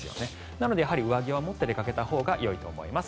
なのでやはり上着を持って出かけたほうがよいと思います。